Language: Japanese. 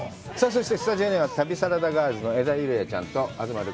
そしてスタジオには旅サラダガールズの江田友莉亜ちゃんと東留